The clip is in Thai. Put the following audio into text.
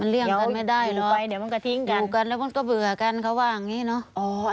มันเลี่ยงกันไม่ได้หรอกอยู่ไปเดี๋ยวมันก็ทิ้งกันอยู่กันแล้วก็เบื่อกันเขาว่าอย่างงี้เนอะ